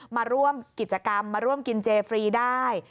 มาร่วมกิจกรรมมาร่วมกินเจฟรีได้